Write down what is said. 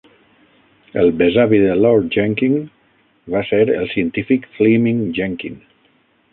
El besavi de Lord Jenkin va ser el científic Fleeming Jenkin.